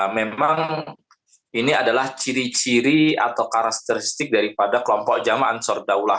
memang ini adalah ciri ciri atau karakteristik daripada kelompok jemaah ansaruddaullah